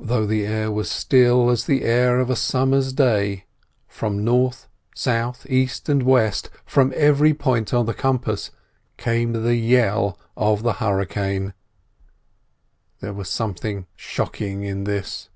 Though the air was still as the air of a summer's day, from north, south, east, and west, from every point of the compass, came the yell of the hurricane. There was something shocking in this.